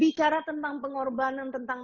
bicara tentang pengorbanan tentang